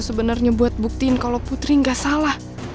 sebenernya buat buktiin kalo putri gak salah